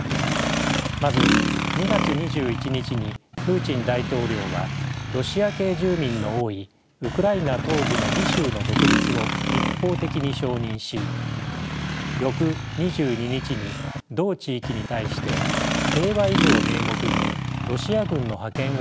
まず２月２１日にプーチン大統領はロシア系住民の多いウクライナ東部の２州の独立を一方的に承認し翌２２日に同地域に対して平和維持を名目にロシア軍の派遣を指示しました。